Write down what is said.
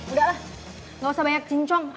udah lah gak usah banyak cincong